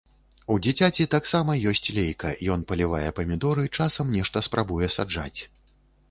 У дзіцяці таксама ёсць лейка, ён палівае памідоры, часам нешта спрабуе саджаць.